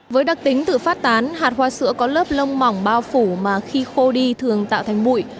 với đặc tính tự phát tán hạt hoa sữa có lớp lông mỏng bao phủ mà khi khô đi thường tạo thành bụi